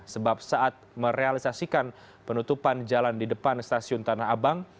sebab saat merealisasikan penutupan jalan di depan stasiun tanah abang